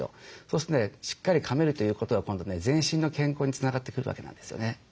そうするとねしっかりかめるということは今度ね全身の健康につながってくるわけなんですよね。